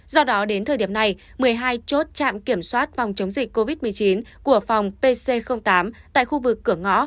do đó đến thời điểm này một mươi hai chốt trạm kiểm soát phòng chống dịch covid một mươi chín của phòng pc tám tại khu vực cửa ngõ